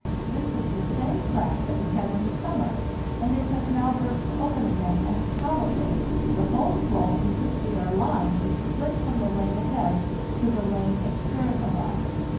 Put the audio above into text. This is the same crack that we had in the summer, and it has now burst open again, and probably the whole floe in which we are lying is split from the lane ahead to the lane astern of us.